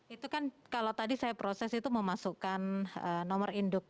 itu kan kalau tadi saya proses itu memasukkan nomor induk